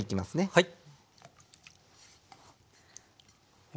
はい。